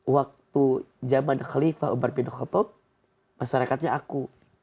waktu zaman khalifah umar bin khotob masyarakatnya aku